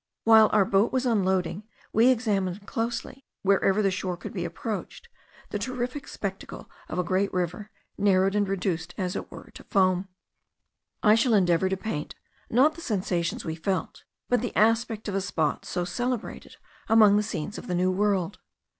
While our boat was unloading, we examined closely, wherever the shore could be approached, the terrific spectacle of a great river narrowed and reduced as it were to foam. I shall endeavour to paint, not the sensations we felt, but the aspect of a spot so celebrated among the scenes of the New World.